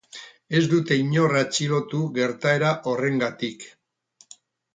Ez dute inor atxilotu gertaera horrengatik.